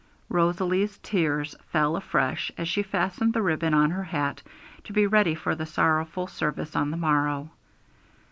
Rosalie's tears fell afresh as she fastened the ribbon on her hat, to be ready for the sorrowful service on the morrow.